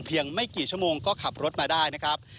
ไม่กี่ชั่วโมงก็ขับรถมาได้นะครับ